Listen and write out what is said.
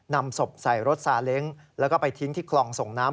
นำศพใส่รถซาเล้งแล้วก็ไปทิ้งที่คลองส่งน้ำ